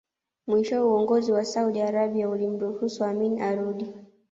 Mwishowe uongozi wa Saudi Arabia ulimruhusu Amin arudi